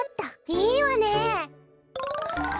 いいわね！